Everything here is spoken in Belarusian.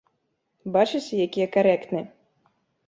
Бачыце, які я карэктны.